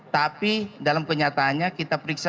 tapi dalam kenyataannya kita periksa